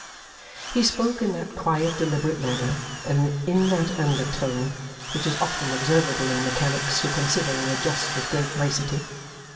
He spoke in that quiet deliberate manner, and in that undertone, which is often observable in mechanics who consider and adjust with great nicety.